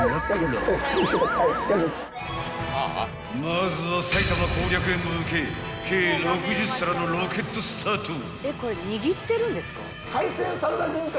［まずは埼玉攻略へ向け計６０皿のロケットスタート］